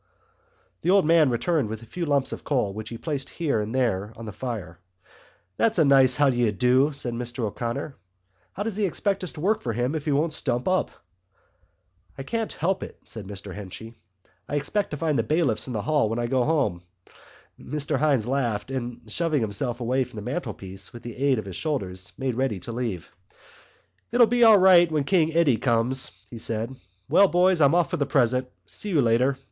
The old man returned with a few lumps of coal which he placed here and there on the fire. "That's a nice how do you do," said Mr O'Connor. "How does he expect us to work for him if he won't stump up?" "I can't help it," said Mr Henchy. "I expect to find the bailiffs in the hall when I go home." Mr Hynes laughed and, shoving himself away from the mantelpiece with the aid of his shoulders, made ready to leave. "It'll be all right when King Eddie comes," he said. "Well boys, I'm off for the present. See you later.